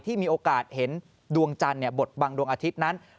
ที่มีโอกาสเห็นดวงจันทร์บทบังดวงอาทิตย์นั้น